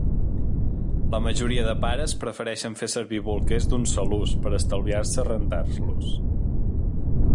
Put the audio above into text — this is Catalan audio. La majoria de pares prefereixen fer servir bolquers d'un sol ús, per estalviar-se rentar-los